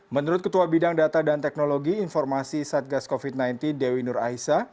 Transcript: menurut ketua bidang data dan teknologi informasi satgas covid sembilan belas dewi nur aisa